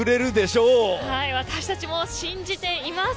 私たちも信じています。